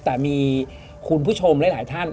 แต่มีคุณผู้ชมหลายท่าน